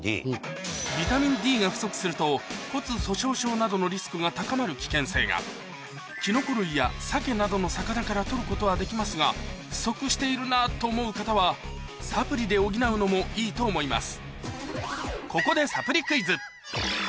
ビタミンＤが不足すると骨粗しょう症などのリスクが高まる危険性がきのこ類やサケなどの魚から取ることはできますが不足しているなと思う方はサプリで補うのもいいと思います